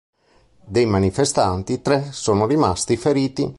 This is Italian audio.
Dei manifestanti, tre sono rimasti feriti.